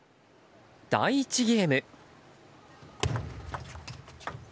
第１ゲーム。